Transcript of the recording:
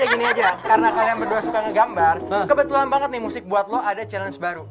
kayak gini aja karena kalian berdua suka ngegambar kebetulan banget nih musik buat lo ada challenge baru